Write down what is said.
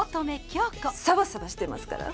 サバサバしてますから！